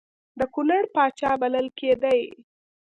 د کنړ پاچا بلل کېدی.